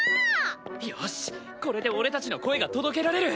よしこれで俺たちの声が届けられる。